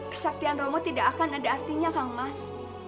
kesaktian romo tidak akan ada artinya kang mas